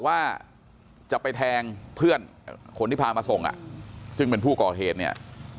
ว่าจะไปแทงเพื่อนคนที่พามาส่งอ่ะซึ่งเป็นผู้ก่อเหตุเนี่ย